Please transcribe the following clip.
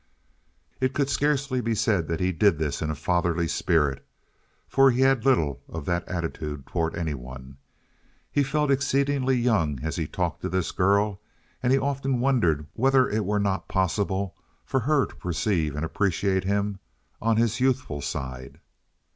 It could scarcely be said that he did this in a fatherly spirit, for he had little of that attitude toward any one. He felt exceedingly young as he talked to this girl, and he often wondered whether it were not possible for her to perceive and appreciate him on his youthful side.